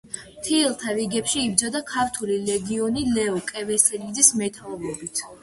მთიელთა რიგებში იბრძოდა ქართული ლეგიონი ლეო კერესელიძის მეთაურობით.